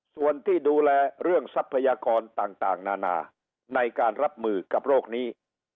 ส่วนที่ดูแลเรื่องทรัพยากรต่างนานาในการรับมือกับโรคนี้